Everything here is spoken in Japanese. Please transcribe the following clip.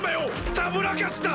たぶらかした！